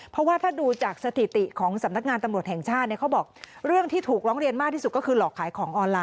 เพราะว่าถ้าดูจากสถิติของสำนักงานตำรวจแห่งชาติเขาบอก